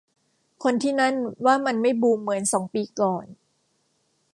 คนที่นั่นว่ามันไม่บูมเหมือนสองปีก่อน